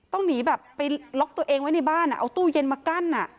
ต้องหนีแบบไปล็อกตัวเองไว้ในบ้านเอาตู้เย็นมากั้น